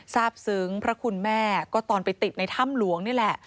ทราบซึ้งพระคุณแม่ก็ตอนไปติดในถ้ำหลวงนี่แหละ